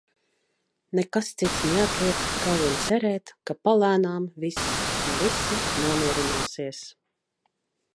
Nekas cits neatliek, kā vien cerēt, ka palēnām viss un visi nomierināsies.